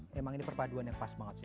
memang ini perpaduan yang pas banget sih